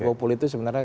duopoli itu sebenarnya